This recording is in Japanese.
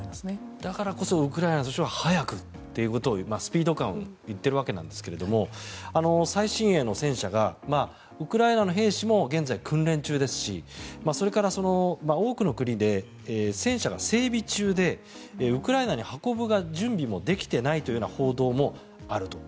だからこそウクライナとしては早くというスピード感を言ってるわけですが最新鋭の戦車がウクライナの兵士も現在、訓練中ですしそれから多くの国で戦車が整備中でウクライナに運ぶ準備もできていないというような報道もあると。